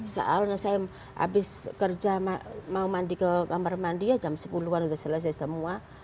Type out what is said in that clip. soalnya saya habis kerja mau mandi ke kamar mandi ya jam sepuluh an udah selesai semua